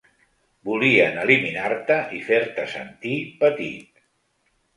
Volien eliminar-te i fer-te sentir petit.